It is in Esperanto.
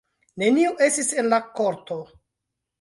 Neniu estis en la korto.